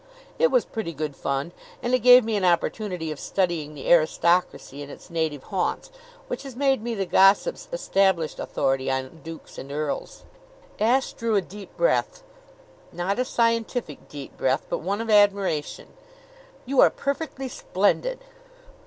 "It was pretty good fun; and it gave me an opportunity of studying the aristocracy in its native haunts, which has made me the Gossip's established authority on dukes and earls." Ashe drew a deep breath not a scientific deep breath, but one of admiration. "You are perfectly splendid!"